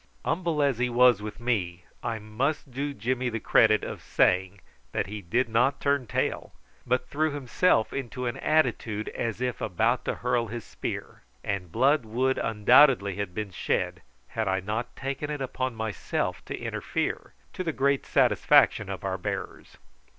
Humble as he was with me, I must do Jimmy the credit of saying that he did not turn tail, but threw himself into an attitude as if about to hurl his spear; and blood would undoubtedly have been shed had I not taken it upon myself to interfere, to the great satisfaction of our bearers.